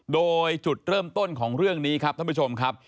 โดยจุดเริ่มต้นของเรื่องนี้ครับท่านผู้ชมครับ